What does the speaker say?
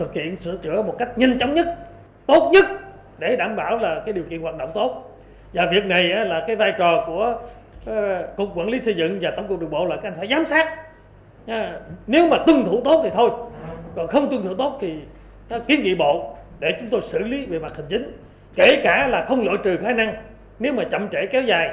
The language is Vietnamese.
kể cả là không lộ trừ khả năng nếu mà chậm trễ kéo dài là chúng ta cấm không cho thu hủy